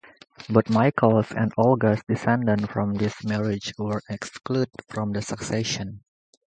Both Michael's and Olga's descendants from these marriages were excluded from the succession.